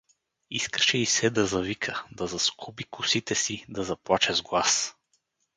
Искаше й се да завика, да заскуби косите си, да заплаче с глас.